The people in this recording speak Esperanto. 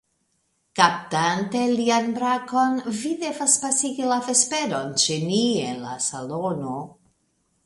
Kaptante lian brakon, vi devas pasigi la vesperon ĉe ni en la salono.